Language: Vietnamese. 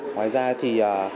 ngoài ra thì